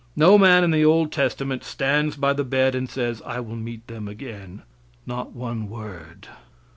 No man in the old testament stands by the bed and says, "I will meet them again" not one word.